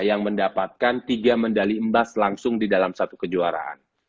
yang mendapatkan tiga medali emas langsung di dalam satu kejuaraan